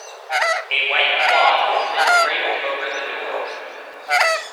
A white cloth is then draped over the door.